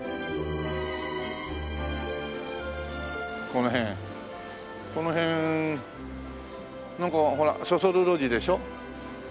この辺この辺なんかそそる路地でしょ？